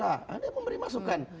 ada yang memberi masukan